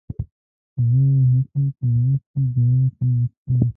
زه هڅه کوم چې ګرم چای وڅښم.